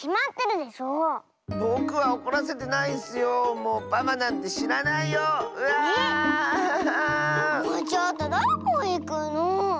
もうちょっとどこいくの！